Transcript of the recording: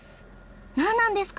なんなんですか